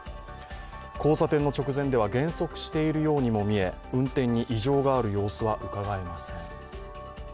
交差点の直前では減速しているようにも見え運転に異常がある様子はうかがえません。